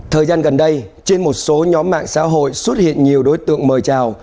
thời gian gần đây trên một số nhóm mạng xã hội xuất hiện nhiều đối tượng mời chào